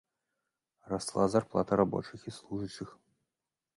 Расла зарплата рабочых і служачых.